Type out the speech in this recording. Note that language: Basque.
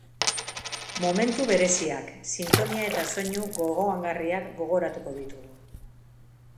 Momentu bereziak, sintonia eta soinu gogoangarriak gogoratuko ditugu.